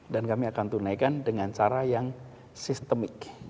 dan kami akan tunaikan dengan cara yang sistemik